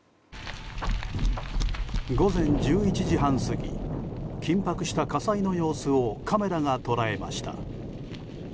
午前１１時半過ぎ緊迫した火災の様子をカメラが捉えました。